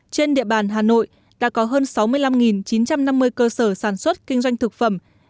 trên địa bàn hà nội đã có hơn sáu mươi năm chín trăm năm mươi cơ sở sản xuất kinh doanh thực phẩm